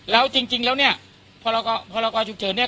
แล้วจริงแล้วเนี่ยพรกรฉุกเฉินเนี่ย